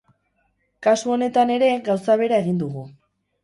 Kasu honetan ere, gauza bera egin dugu.